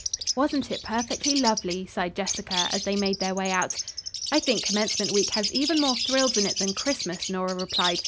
"Wasn't it perfectly lovely?" sighed Jessica, as they made their way out. "I think commencement week has even more thrills in it than Christmas," Nora replied.